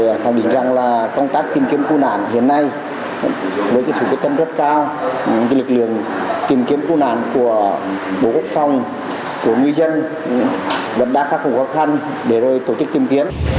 phải khẳng định rằng là công tác tìm kiếm cư nàn hiện nay với sự quyết tâm rất cao lực lượng tìm kiếm cư nàn của bộ quốc phòng của ngư dân đã khá khó khăn để rồi tổ chức tìm kiếm